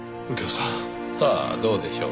さあどうでしょう。